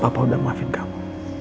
papa udah maafin kamu